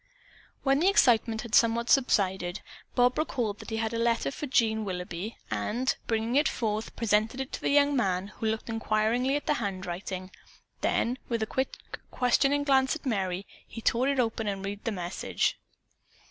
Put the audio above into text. When the excitement had somewhat subsided, Bob recalled that he had a letter for Jean Willoughby, and, bringing it forth, presented it to the young man, who looked inquiringly at the handwriting; then with a quick, questioning glance at Merry, he tore it open and read its message.